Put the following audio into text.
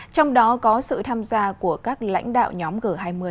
trong đó có sự tham gia của các lãnh đạo nhóm g hai mươi